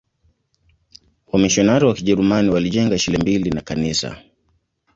Wamisionari wa Kijerumani walijenga shule mbili na kanisa.